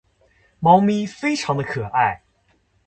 猫咪非常的可爱